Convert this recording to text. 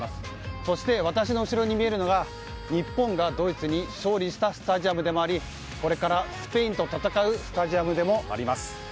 そして私の後ろに見えるのが日本がドイツに勝利したスタジアムでもありこれからスペインと戦うスタジアムでもあります。